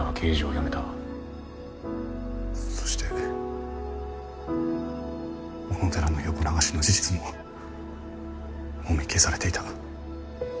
そして小野寺の横流しの事実ももみ消されていた。